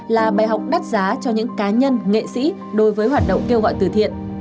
là bài học đắt giá cho những cá nhân nghệ sĩ đối với hoạt động kêu gọi từ thiện